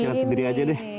bersilat sendiri aja deh